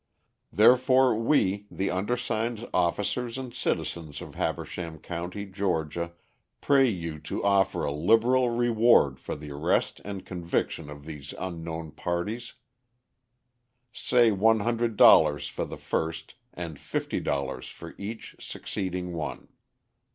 Therefore, we, the undersigned officers and citizens of Habersham County, Georgia, pray you to offer a liberal reward for the arrest and conviction or these unknown parties say $100 for the first and $50 for each succeeding one.